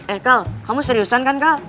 eh kal kamu seriusan kan kal